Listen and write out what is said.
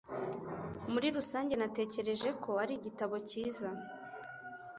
Muri rusange, natekereje ko ari igitabo cyiza.